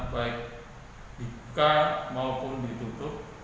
baik dibuka maupun ditutup